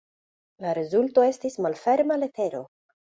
La rezulto estis "Malferma letero".